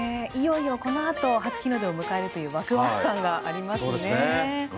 いよいよこのあと初日の出を迎えるというわくわく感がありますね。